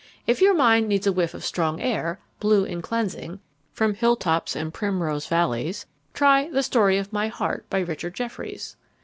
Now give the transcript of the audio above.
If your mind needs a whiff of strong air, blue and cleansing, from hilltops and primrose valleys, try "The Story of My Heart," by Richard Jefferies.